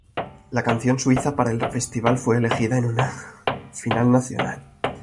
La canción suiza para el festival fue elegida en una final nacional.